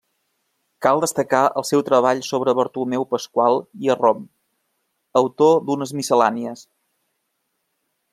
Cal destacar el seu treball sobre Bartomeu Pasqual i Arrom, autor d'unes Miscel·lànies.